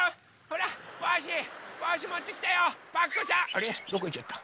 あれどこいっちゃった？